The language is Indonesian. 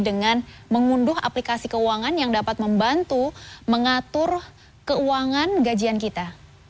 dengan mengunduh aplikasi keuangan yang dapat membantu mengatur keuangan gajian kita